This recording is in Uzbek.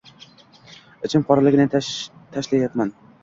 Ichim qoraligini tashlayapman